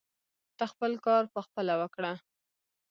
ته خپل کار پخپله وکړه.